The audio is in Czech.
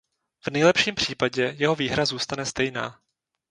V nejlepším případě jeho výhra zůstane stejná.